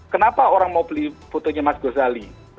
kenapa orang mau beli fotonya mas gozali